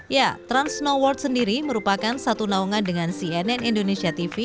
ya trans snow world sendiri merupakan satu naungan dengan cnn indonesia tv